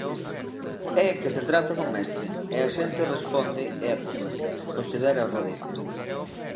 "É que se trata dun mestre, e a xente responde e apúntase", considera Rodicio.